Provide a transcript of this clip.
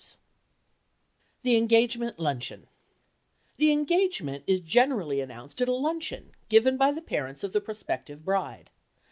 _ THE ENGAGEMENT LUNCHEON The engagement is generally announced at a luncheon given by the parents of the prospective bride.